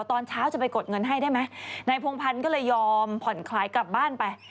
ตอนเช้าจะไปกดเงินให้ได้ไหมนายพงพันธ์ก็เลยยอมผ่อนคลายกลับบ้านไป